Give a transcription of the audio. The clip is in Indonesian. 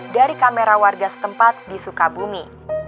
dari kamera warga setempat di sukabumi